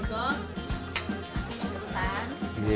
sama selapa hujan